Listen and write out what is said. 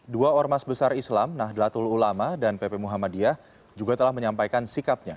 dua ormas besar islam nahdlatul ulama dan pp muhammadiyah juga telah menyampaikan sikapnya